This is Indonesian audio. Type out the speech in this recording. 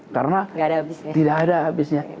karena tidak ada abisnya